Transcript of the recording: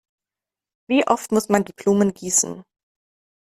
Wie oft muss man die Blumen gießen?